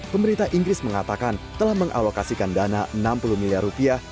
pemerintah inggris mengatakan telah mengalokasikan dana enam puluh miliar rupiah